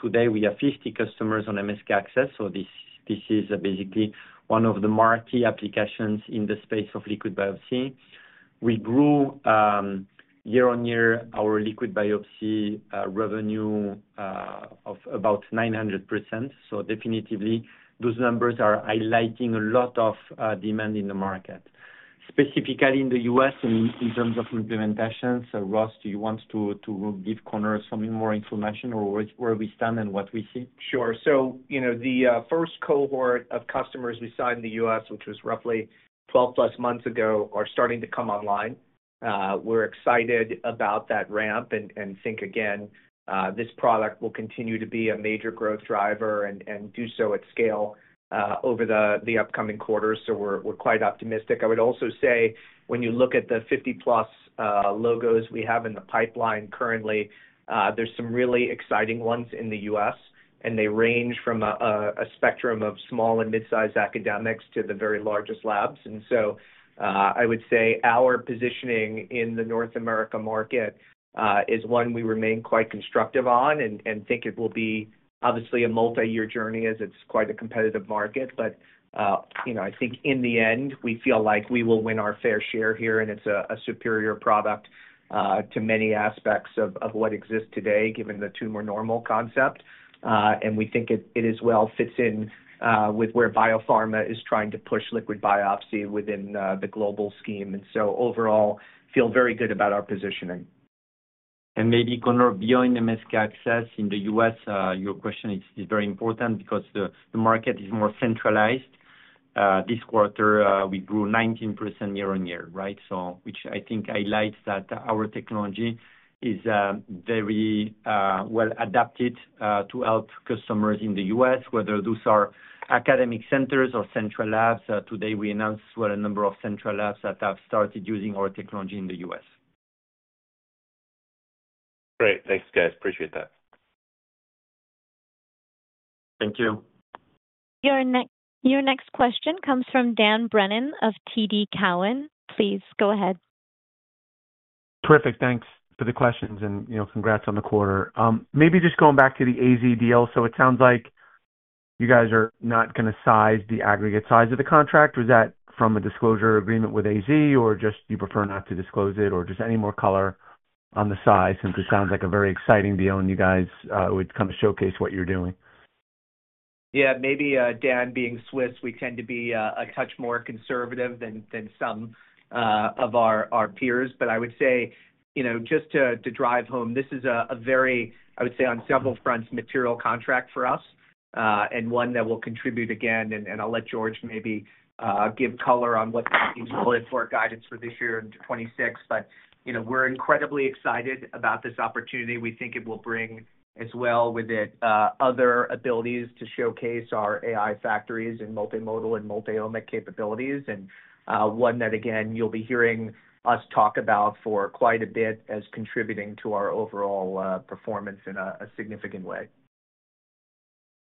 [SPEAKER 4] Today, we have 50 customers on MSK-ACCESS. This is basically one of the marquee applications in the space of liquid biopsy. We grew year-over-year our liquid biopsy revenue of about 900%. Those numbers are highlighting a lot of demand in the market. Specifically in the U.S., in terms of implementations, Ross, do you want to give Conor some more information or where we stand and what we see?
[SPEAKER 5] Sure. The first cohort of customers we saw in the U.S., which was roughly 12+ months ago, are starting to come online. We're excited about that ramp and think this product will continue to be a major growth driver and do so at scale over the upcoming quarter. We're quite optimistic. I would also say when you look at the 50+ logos we have in the pipeline currently, there's some really exciting ones in the U.S., and they range from a spectrum of small and mid-sized academics to the very largest labs. I would say our positioning in the North America market is one we remain quite constructive on and think it will be obviously a multi-year journey as it's quite a competitive market. I think in the end, we feel like we will win our fair share here, and it's a superior product to many aspects of what exists today, given the tumor normal concept. We think it as well fits in with where biopharma is trying to push liquid biopsy within the global scheme. Overall, I feel very good about our positioning.
[SPEAKER 4] Maybe, Conor, beyond MSK-ACCESS in the U.S., your question is very important because the market is more centralized. This quarter, we grew 19% year-over-year, right? I think that highlights that our technology is very well adapted to help customers in the U.S., whether those are academic centers or central labs. Today, we announced a number of central labs that have started using our technology in the U.S.
[SPEAKER 8] Great. Thanks, guys. Appreciate that.
[SPEAKER 4] Thank you.
[SPEAKER 2] Your next question comes from Dan Brennan of TD Cowen. Please go ahead.
[SPEAKER 9] Perfect. Thanks for the questions and congrats on the quarter. Maybe just going back to the AZ deal. It sounds like you guys are not going to size the aggregate size of the contract. Was that from a disclosure agreement with AZ or you prefer not to disclose it or just any more color on the size since it sounds like a very exciting deal and you guys would kind of showcase what you're doing?
[SPEAKER 5] Yeah, maybe Dan, being Swiss, we tend to be a touch more conservative than some of our peers. I would say, just to drive home, this is a very, I would say, on several fronts, material contract for us and one that will contribute again. I'll let George maybe give color on what the news is for guidance for this year and 2026. We're incredibly excited about this opportunity. We think it will bring as well with it other abilities to showcase our AI factories and multimodal and multi-omic capabilities, and one that, again, you'll be hearing us talk about for quite a bit as contributing to our overall performance in a significant way.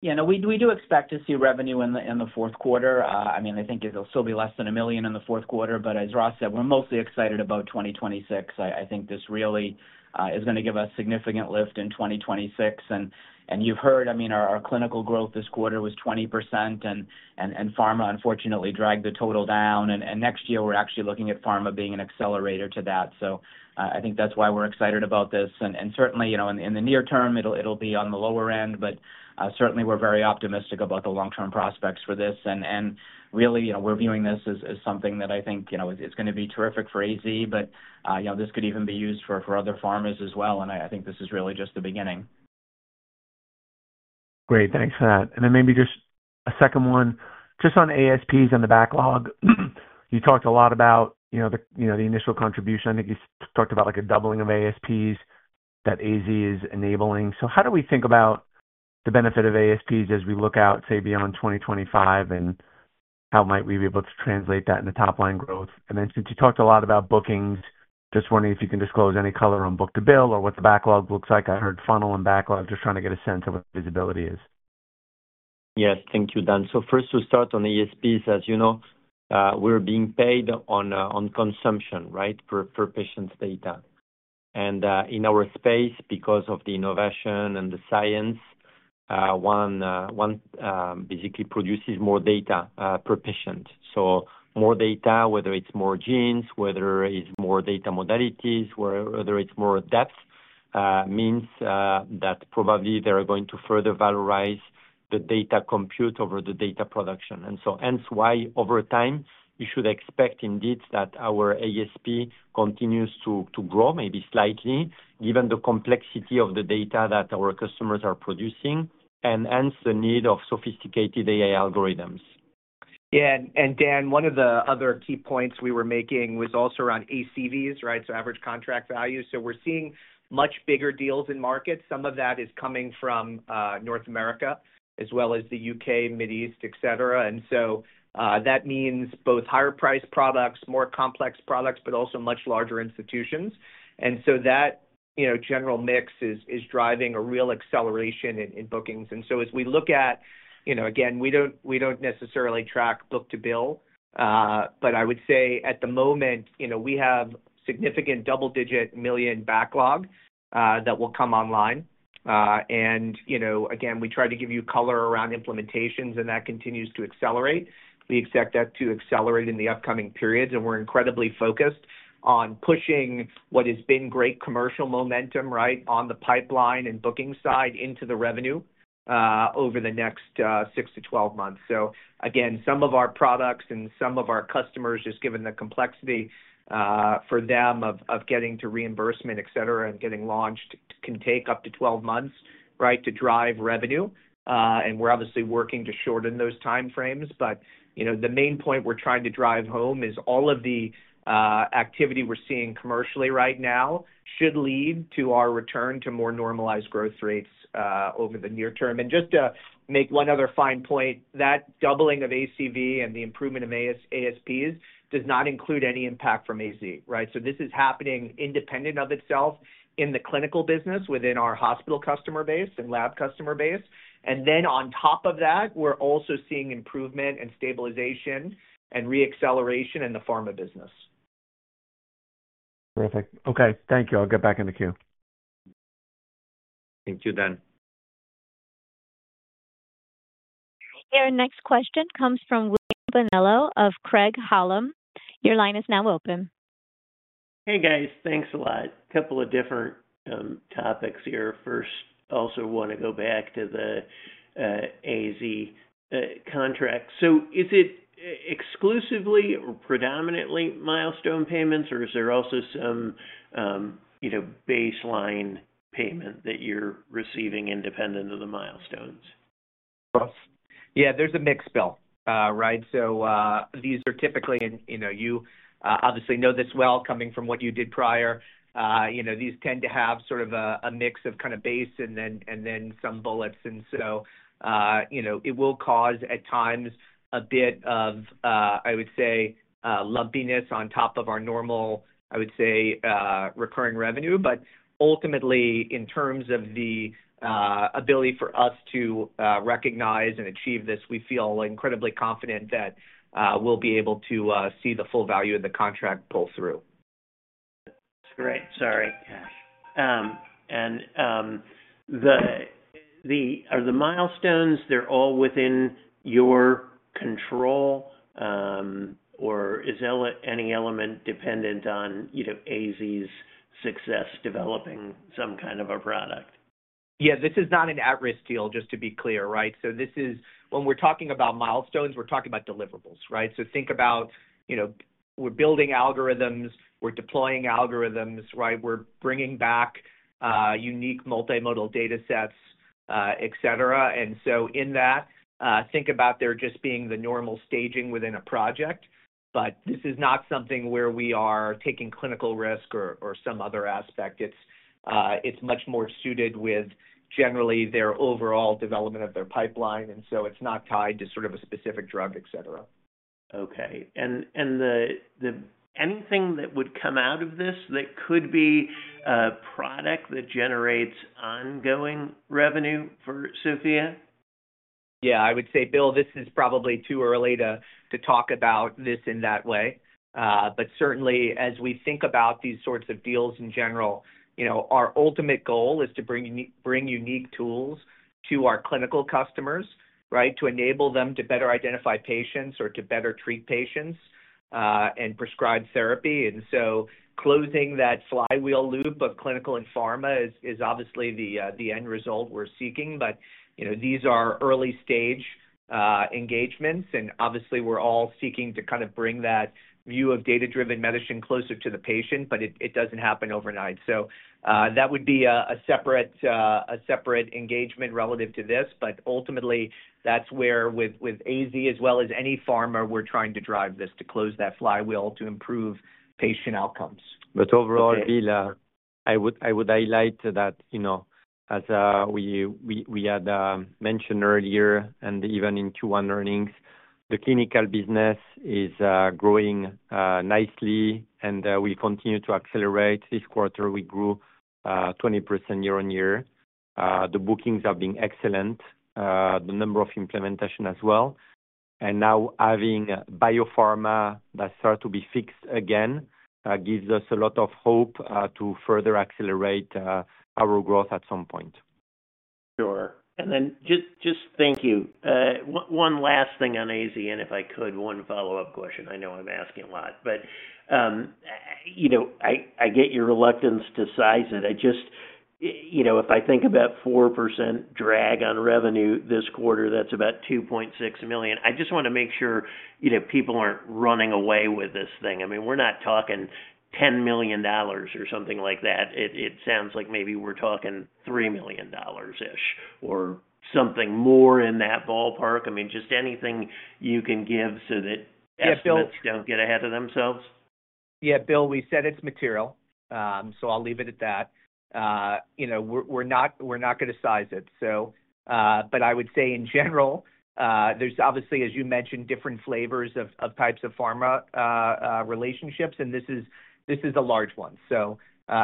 [SPEAKER 6] Yeah, no, we do expect to see revenue in the fourth quarter. I mean, I think it'll still be less than $1 million in the fourth quarter. As Ross said, we're mostly excited about 2026. I think this really is going to give us a significant lift in 2026. You've heard, our clinical growth this quarter was 20%. Pharma, unfortunately, dragged the total down. Next year, we're actually looking at pharma being an accelerator to that. I think that's why we're excited about this. Certainly, in the near term, it'll be on the lower end. We're very optimistic about the long-term prospects for this. Really, we're viewing this as something that I think is going to be terrific for AZ. This could even be used for other pharmas as well. I think this is really just the beginning.
[SPEAKER 9] Great. Thanks for that. Maybe just a second one, just on ASPs and the backlog. You talked a lot about the initial contribution. I think you talked about like a doubling of ASPs that AZ is enabling. How do we think about the benefit of ASPs as we look out, say, beyond 2025? How might we be able to translate that into top-line growth? Since you talked a lot about bookings, just wondering if you can disclose any color on book-to-bill or what the backlog looks like. I heard funnel and backlog. Just trying to get a sense of what visibility is.
[SPEAKER 4] Yes, thank you, Dan. First, we'll start on ASPs. As you know, we're being paid on consumption, right, per patient's data. In our space, because of the innovation and the science, one basically produces more data per patient. More data, whether it's more genes, whether it's more data modalities, whether it's more depth, means that probably they're going to further valorize the data compute over the data production. Hence, over time, you should expect indeed that our ASP continues to grow, maybe slightly, given the complexity of the data that our customers are producing and hence the need of sophisticated AI algorithms.
[SPEAKER 5] Yeah, and Dan, one of the other key points we were making was also around ACVs, right? So, average contract value. We're seeing much bigger deals in markets. Some of that is coming from North America, as well as the U.K., Mideast, etc. That means both higher-priced products, more complex products, but also much larger institutions. That general mix is driving a real acceleration in bookings. As we look at it, we don't necessarily track book-to-bill. I would say at the moment, we have a significant double-digit million backlog that will come online. We try to give you color around implementations, and that continues to accelerate. We expect that to accelerate in the upcoming periods. We're incredibly focused on pushing what has been great commercial momentum, right, on the pipeline and booking side into the revenue over the next 6 to 12 months. Some of our products and some of our customers, just given the complexity for them of getting to reimbursement, etc., and getting launched, can take up to 12 months to drive revenue. We're obviously working to shorten those time frames. The main point we're trying to drive home is all of the activity we're seeing commercially right now should lead to our return to more normalized growth rates over the near term. Just to make one other fine point, that doubling of ACV and the improvement of ASPs does not include any impact from AZ, right? This is happening independent of itself in the clinical business within our hospital customer base and lab customer base. On top of that, we're also seeing improvement and stabilization and re-acceleration in the biopharma business.
[SPEAKER 9] Terrific. Okay, thank you. I'll get back in the queue.
[SPEAKER 4] Thank you, Dan.
[SPEAKER 2] Our next question comes from Bill Bonello of Craig Hallum. Your line is now open.
[SPEAKER 10] Hey, guys. Thanks a lot. A couple of different topics here. First, I also want to go back to the AZ contract. Is it exclusively or predominantly milestone payments, or is there also some baseline payment that you're receiving independent of the milestones?
[SPEAKER 5] Yeah, there's a mixed bill, right? These are typically, and you obviously know this well coming from what you did prior, you know these tend to have sort of a mix of kind of base and then some bullets. It will cause at times a bit of, I would say, lumpiness on top of our normal, I would say, recurring revenue. Ultimately, in terms of the ability for us to recognize and achieve this, we feel incredibly confident that we'll be able to see the full value in the contract pull through.
[SPEAKER 10] Great. Sorry. Are the milestones all within your control, or is any element dependent on AZ's success developing some kind of a product?
[SPEAKER 5] Yeah, this is not an at-risk deal, just to be clear, right? This is when we're talking about milestones, we're talking about deliverables, right? Think about, you know, we're building algorithms, we're deploying algorithms, right? We're bringing back unique multimodal data sets, et cetera. In that, think about there just being the normal staging within a project. This is not something where we are taking clinical risk or some other aspect. It's much more suited with generally their overall development of their pipeline. It's not tied to sort of a specific drug, et cetera.
[SPEAKER 10] Okay. Anything that would come out of this that could be a product that generates ongoing revenue for SOPHiA?
[SPEAKER 5] Yeah, I would say, Bill, this is probably too early to talk about this in that way. Certainly, as we think about these sorts of deals in general, you know our ultimate goal is to bring unique tools to our clinical customers, right, to enable them to better identify patients or to better treat patients and prescribe therapy. Closing that flywheel loop of clinical and pharma is obviously the end result we're seeking. You know these are early-stage engagements. Obviously, we're all seeking to kind of bring that view of data-driven medicine closer to the patient, but it doesn't happen overnight. That would be a separate engagement relative to this. Ultimately, that's where with AZ, as well as any pharma, we're trying to drive this to close that flywheel to improve patient outcomes.
[SPEAKER 4] Overall, I would highlight that, as we had mentioned earlier, and even in Q1 earnings, the clinical business is growing nicely. We continue to accelerate. This quarter, we grew 20% year-on-year. The bookings have been excellent, the number of implementations as well. Now, having biopharma that starts to be fixed again gives us a lot of hope to further accelerate our growth at some point.
[SPEAKER 10] Sure. Thank you. One last thing on AZ, and if I could, one follow-up question. I know I'm asking a lot. I get your reluctance to size it. If I think about 4% drag on revenue this quarter, that's about $2.6 million. I just want to make sure people aren't running away with this thing. I mean, we're not talking $10 million or something like that. It sounds like maybe we're talking $3 million-ish or something more in that ballpark. Anything you can give so that experts don't get ahead of themselves.
[SPEAKER 5] Yeah, Bill, we said it's material. I'll leave it at that. You know we're not going to size it. I would say in general, there's obviously, as you mentioned, different flavors of types of pharma relationships, and this is a large one.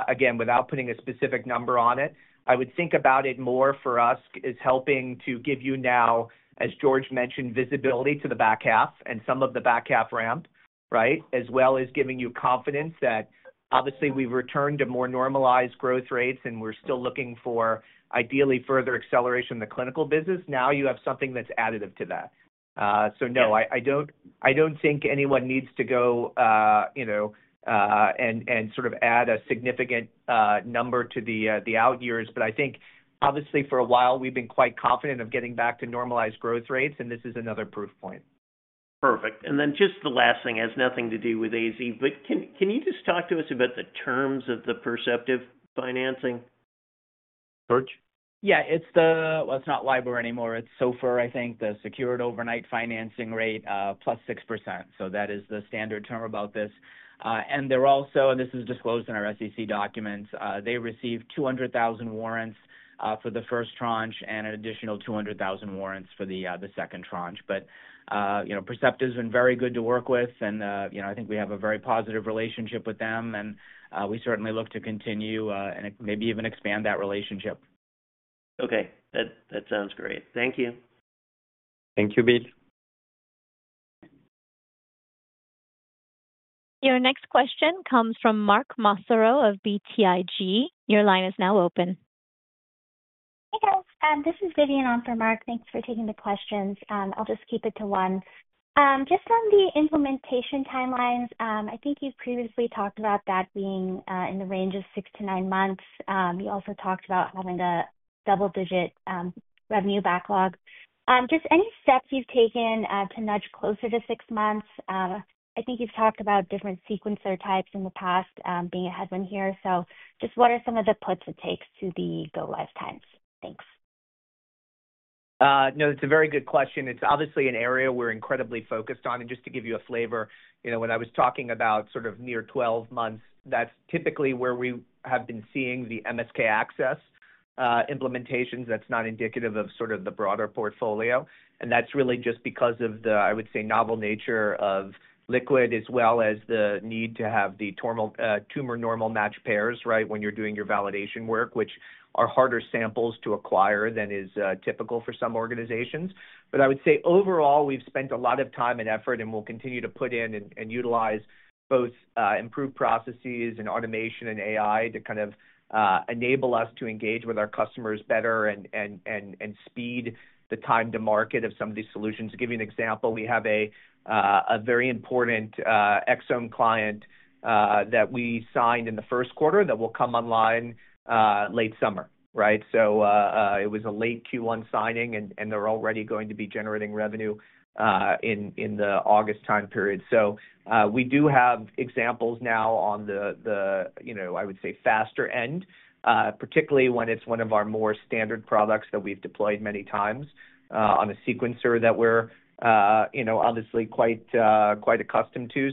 [SPEAKER 5] Again, without putting a specific number on it, I would think about it more for us as helping to give you now, as George mentioned, visibility to the back half and some of the back half ramp, right, as well as giving you confidence that obviously we've returned to more normalized growth rates and we're still looking for ideally further acceleration in the clinical business. Now you have something that's additive to that. No, I don't think anyone needs to go and sort of add a significant number to the out years. I think obviously for a while we've been quite confident of getting back to normalized growth rates, and this is another proof point.
[SPEAKER 10] Perfect. Just the last thing has nothing to do with AZ, but can you just talk to us about the terms of the Perceptive financing?
[SPEAKER 6] Yeah, it's not LIBOR anymore. It's SOFR, I think, the secured overnight financing rate +6%. That is the standard term about this. They're also, and this is disclosed in our SEC documents, they received 200,000 warrants for the first tranche and an additional 200,000 warrants for the second tranche. You know Perceptive has been very good to work with, and I think we have a very positive relationship with them, and we certainly look to continue and maybe even expand that relationship.
[SPEAKER 10] Okay, that sounds great. Thank you.
[SPEAKER 4] Thank you, Bill.
[SPEAKER 2] Your next question comes from Mark Massaro of BTIG. Your line is now open.
[SPEAKER 11] Hey, guys. This is Vidyun on for Mark. Thanks for taking the questions. I'll just keep it to one. Just on the implementation timelines, I think you've previously talked about that being in the range of six to nine months. You also talked about having a double-digit revenue backlog. Any steps you've taken to nudge closer to six months? I think you've talked about different sequencer types in the past being a headwind here. What are some of the puts it takes to be go lifetimes? Thanks.
[SPEAKER 5] No, it's a very good question. It's obviously an area we're incredibly focused on. Just to give you a flavor, when I was talking about sort of near 12 months, that's typically where we have been seeing the MSK-ACCESS implementations. That's not indicative of the broader portfolio. That's really just because of the, I would say, novel nature of liquid as well as the need to have the tumor normal match pairs, right, when you're doing your validation work, which are harder samples to acquire than is typical for some organizations. I would say overall, we've spent a lot of time and effort, and we'll continue to put in and utilize both improved processes and automation and AI to kind of enable us to engage with our customers better and speed the time to market of some of these solutions. To give you an example, we have a very important exome client that we signed in the first quarter that will come online late summer, right? It was a late Q1 signing, and they're already going to be generating revenue in the August time period. We do have examples now on the, you know, I would say, faster end, particularly when it's one of our more standard products that we've deployed many times on a sequencer that we're, you know, obviously quite accustomed to.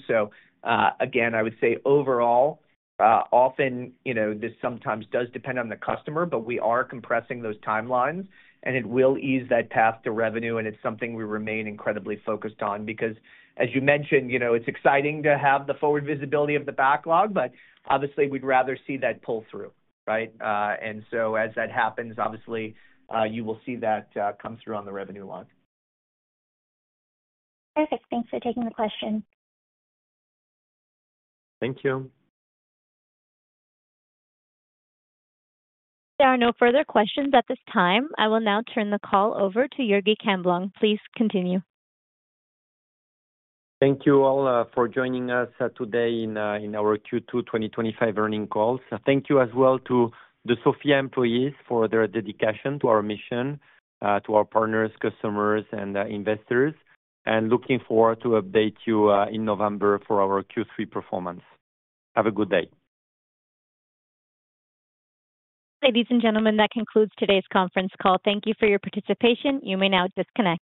[SPEAKER 5] I would say overall, often, you know, this sometimes does depend on the customer, but we are compressing those timelines, and it will ease that path to revenue. It's something we remain incredibly focused on because, as you mentioned, it's exciting to have the forward visibility of the backlog, but obviously, we'd rather see that pull through, right? As that happens, obviously, you will see that come through on the revenue log.
[SPEAKER 11] Perfect. Thanks for taking the question.
[SPEAKER 5] Thank you.
[SPEAKER 2] There are no further questions at this time. I will now turn the call over to Dr. Jurgi Camblong. Please continue.
[SPEAKER 4] Thank you all for joining us today in our Q2 2025 earnings call. Thank you as well to the SOPHiA employees for their dedication to our mission, to our partners, customers, and investors. We look forward to updating you in November for our Q3 performance. Have a good day.
[SPEAKER 2] Ladies and gentlemen, that concludes today's conference call. Thank you for your participation. You may now disconnect.